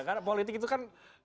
karena politik itu kan